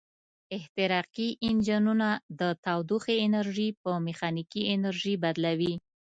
احتراقي انجنونه د تودوخې انرژي په میخانیکي انرژي بدلوي.